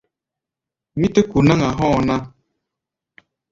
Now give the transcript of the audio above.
Mí tɛ́ ku̧ náŋ-a hɔ̧́ɔ̧ ná.